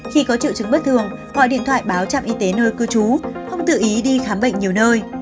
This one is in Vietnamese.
khi có triệu chứng bất thường gọi điện thoại báo trạm y tế nơi cư trú không tự ý đi khám bệnh nhiều nơi